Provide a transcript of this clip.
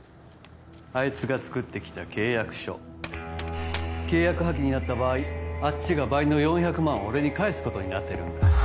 あいつが作ってきた契約書契約破棄になった場合あっちが倍の４００万を俺に返すことになってるんだ